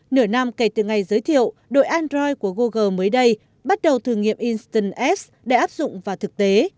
nửa năm kể từ ngày giới thiệu đội android của google mới đây bắt đầu thử nghiệm inston f để áp dụng vào thực tế